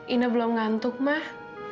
inna belum ngantuk mah